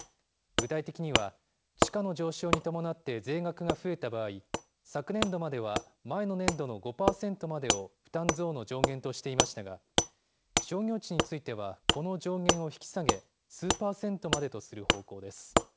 具体的には、地価の上昇に伴って税額が増えた場合、昨年度までは、前の年度の５％までを負担増の上限としていましたが、商業地については、この上限を引き下げ、数％までとする方向です。